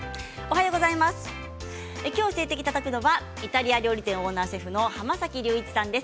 今日、教えていただくのはイタリア料理店オーナーシェフの濱崎龍一さんです。